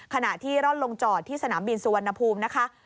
ขณะที่ร่อนลงจอดที่สนามบินสุวรรณภูมินะคะ